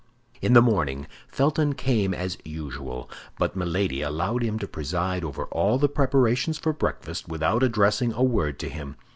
In the morning, Felton came as usual; but Milady allowed him to preside over all the preparations for breakfast without addressing a word to him.